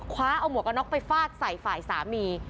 คว้าเอาหมวกกระน็อกไปฟาดใส่ฝ่ายสามี